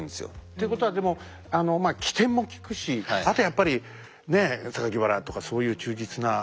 ていうことはでも機転も利くしあとやっぱりねえ原とかそういう忠実な。